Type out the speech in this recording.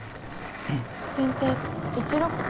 先手１六歩。